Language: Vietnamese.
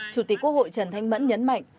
chủ tịch quốc hội trần thanh mẫn nhấn mạnh